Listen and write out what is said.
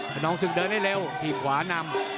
ไปน้องสึกเดินให้เร็วทีมขวานำ